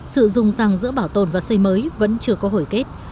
sự dùng răng giữa bảo tồn và xây mới vẫn chưa có hồi kết